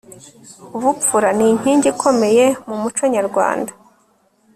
ubupfura ni inkingi ikomeye mu muco nyarwanda